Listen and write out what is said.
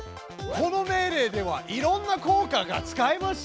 この命令ではいろんな効果が使えますよ！